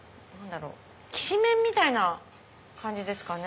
きし麺みたいな感じですかね。